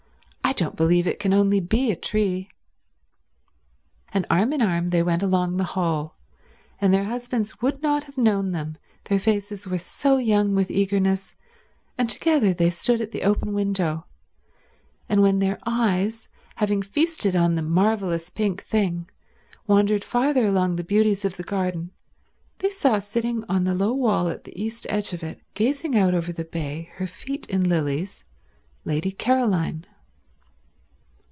"I don't believe it can only be a tree." And arm in arm they went along the hall, and their husbands would not have known them their faces were so young with eagerness, and together they stood at the open window, and when their eyes, having feasted on the marvelous pink thing, wandered farther among the beauties of the garden, they saw sitting on the low wall at the east edge of it, gazing out over the bay, her feet in lilies, Lady Caroline.